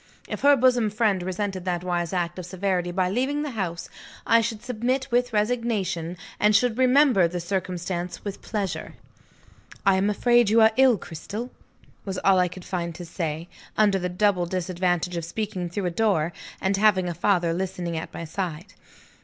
If her bosom friend resented that wise act of severity by leaving the house, I should submit with resignation, and should remember the circumstance with pleasure. "I am afraid you are ill, Cristel?" was all I could find to say, under the double disadvantage of speaking through a door, and having a father listening at my side.